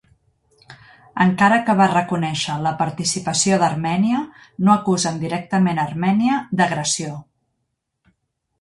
Encara que va reconèixer la participació d'Armènia, no acusen directament Armènia d'agressió.